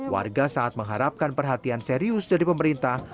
warga saat mengharapkan perhatian serius dari pemerintah